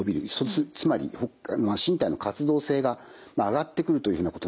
つまり身体の活動性が上がってくるというふうなことになります。